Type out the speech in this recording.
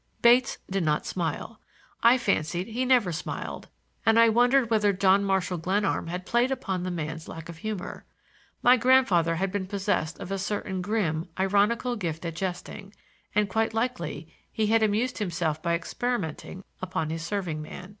Bates did not smile. I fancied he never smiled, and I wondered whether John Marshall Glenarm had played upon the man's lack of humor. My grandfather had been possessed of a certain grim, ironical gift at jesting, and quite likely he had amused himself by experimenting upon his serving man.